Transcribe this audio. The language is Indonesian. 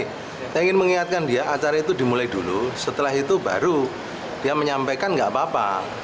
saya ingin mengingatkan dia acara itu dimulai dulu setelah itu baru dia menyampaikan gak apa apa